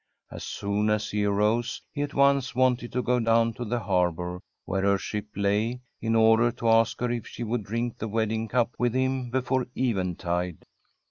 As soon as he arose, he at once wanted to go down to the harbour, where her ship lay, in order to ask her if she would drink the wedding cup with him before eventide.